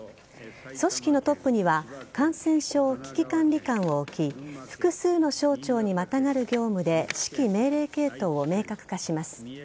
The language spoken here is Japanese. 組織のトップには感染症危機管理監を置き複数の省庁にまたがる業務で指揮命令系統を明確化します。